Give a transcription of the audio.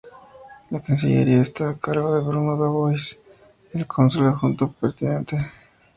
La Cancillería está a cargo de Bruno Dubois, el Cónsul Adjunto pertinente.